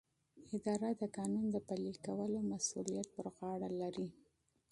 اداره د قانون د پلي کولو مسؤلیت پر غاړه لري.